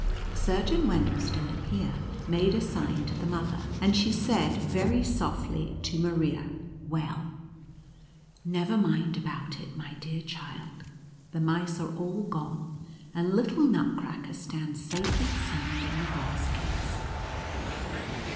Surgeon Wendelstern here made a sign to the mother, and she said very softly to Maria, " Well, never mind about it, my dear child, the mice are all gone, and little Nutcracker stands safe and sound in the glass case."